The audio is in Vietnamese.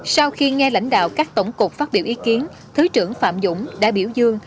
sau khi nghe lãnh đạo các tổng cục phát biểu ý kiến thứ trưởng phạm dũng đã biểu dương